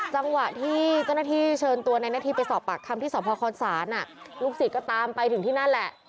จังหวะที่เจ้าหน้าที่เชิญตัวนายนาทีไปสอบปากคำที่สอบพลาคอนศาสตร์ลูกสิทธิ์ก็ตามไปถึงที่นั่นแหละ